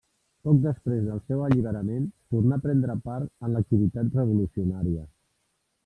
Poc després del seu alliberament, tornà a prendre part en l'activitat revolucionària.